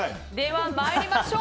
まいりましょう！